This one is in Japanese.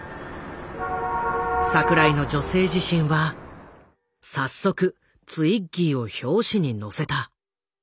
櫻井の「女性自身」は早速ツイッギーを表紙に載せた。